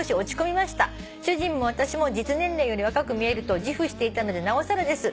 「主人も私も実年齢より若く見えると自負していたのでなおさらです」